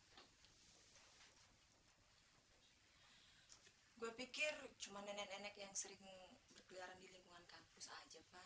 gue pikir cuma nenek nenek yang sering berkeliaran di lingkungan kampus aja pak